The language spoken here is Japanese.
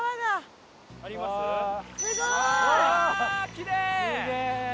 きれい！